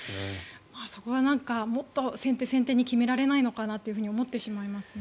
そこはもっと先手先手に決められないのかなと思ってしまいますね。